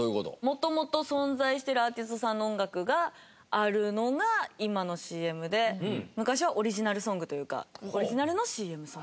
元々存在しているアーティストさんの音楽があるのが今のＣＭで昔はオリジナルソングというかオリジナルのＣＭソング。